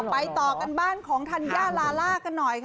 ต่อกันบ้านของธัญญาลาล่ากันหน่อย